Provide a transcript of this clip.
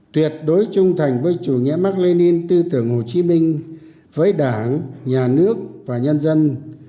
tuyệt đối trung thành với chủ nghĩa mạc lê ninh tư tưởng hồ chí minh với đảng nhà nước và nhân dân